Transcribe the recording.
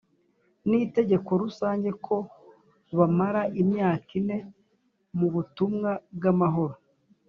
n itegeko rusange ko bamara imyaka ine mubutumwa bwamahoro.